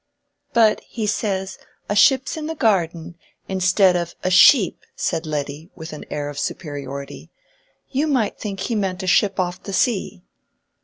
'" "But he says, 'A ship's in the garden,' instead of 'a sheep,'" said Letty, with an air of superiority. "You might think he meant a ship off the sea."